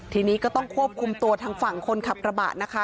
ทีนี้ก็ต้องควบคุมตัวทางฝั่งคนขับกระบะนะคะ